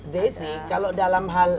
desi kalau dalam hal